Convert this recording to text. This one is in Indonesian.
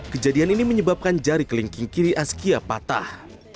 kejadian ini menyebabkan jari kelingking kiri askia patah